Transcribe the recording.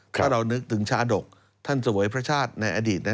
ถ้าเรานึกถึงชาดกท่านเสวยพระชาติในอดีต